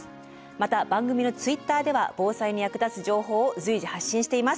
また番組のＴｗｉｔｔｅｒでは防災に役立つ情報を随時発信しています。